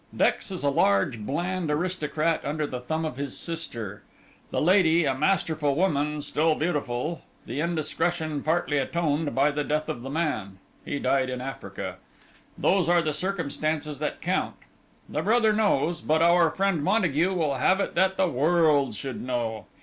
"Dex is a large, bland aristocrat under the thumb of his sister; the lady, a masterful woman, still beautiful; the indiscretion partly atoned by the death of the man. He died in Africa. Those are the circumstances that count. The brother knows, but our friend Montague will have it that the world should know.